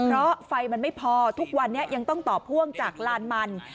เพราะไฟมันไม่พอทุกวันนี้ยังต้องต่อพ่วงจากลานมัน